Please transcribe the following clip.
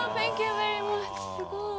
すごい！